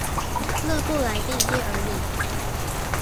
勒布莱蒂耶尔里。